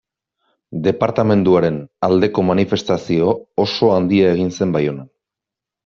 Departamenduaren aldeko manifestazio oso handia egin zen Baionan.